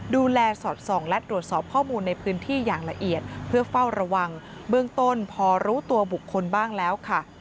สอดส่องและตรวจสอบข้อมูลในพื้นที่อย่างละเอียดเพื่อเฝ้าระวังเบื้องต้นพอรู้ตัวบุคคลบ้างแล้วค่ะ